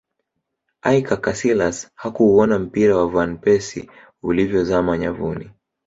iker casilas hakuuona mpira wa van persie ulivyozama nyavuni